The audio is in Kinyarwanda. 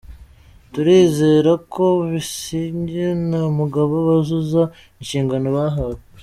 Turizera ko Busingye na Mugabo bazuzuza inshingano bahawe.